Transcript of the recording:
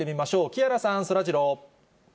木原さん、そらジロー。